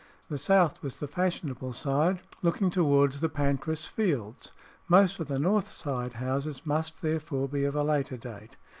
The south was the fashionable side, looking towards the Pancras fields; most of the north side houses must, therefore, be of a later date.